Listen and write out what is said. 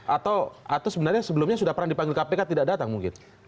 atau sebenarnya sebelumnya sudah pernah dipanggil kpk tidak datang mungkin